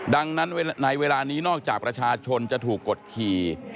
ดังนั้นในเวลานี้นอกจากประชาชนจะถูกกดขี่